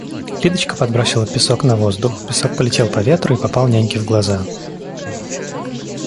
Лидочка подбросила песок на воздух, песок полетел по ветру и попал няньке в глаза.